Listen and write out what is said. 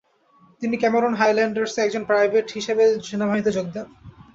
তিনি ক্যামেরন হাইল্যান্ডারসে একজন প্রাইভেট হিসেবে সেনাবাহিনীতে যোগ দেন।